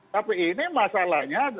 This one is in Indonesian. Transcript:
tapi ini masalahnya